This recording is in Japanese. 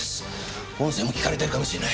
音声も聞かれているかもしれない。